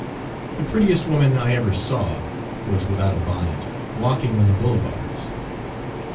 The prettiest woman I ever saw was without a bonnet, walking on the Boulevards.